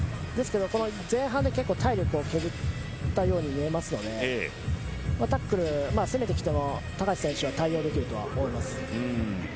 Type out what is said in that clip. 前半で結構体力を削ったように見えますのでタックルで攻めてきても高橋選手は対応できると思います。